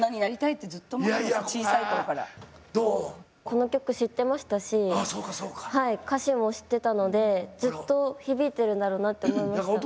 この曲知ってましたし歌詞も知ってたのでずっと響いてるんだろうなって思いました。